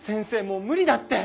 もう無理だって！